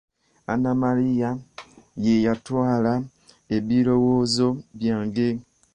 Anna Maria ye yatwala ebirowoozo byange.